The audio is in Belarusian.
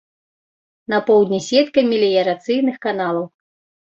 На поўдні сетка меліярацыйных каналаў.